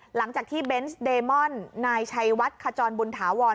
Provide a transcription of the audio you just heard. หลังจากที่เบนส์เดมอนนายชัยวัดขจรบุญถาวร